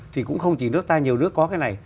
thì cũng không chỉ nước ta nhiều nước có cái này